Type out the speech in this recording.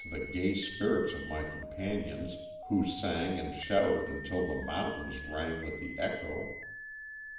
the gay spirits of my companions who sang and shouted until the mountains rang with the echo.